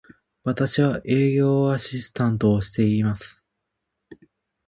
私は、営業アシスタントをしています。